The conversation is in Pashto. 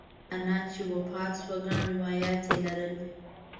انا مې چې وفات شوه ګڼ روایات یې لرل.